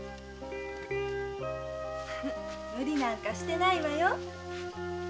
無理なんかしてないわよ。